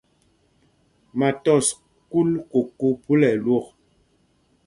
Ma tɔs kúl koko phúla ɛlwok.